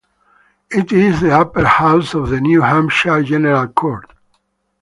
It is the upper house of the New Hampshire General Court.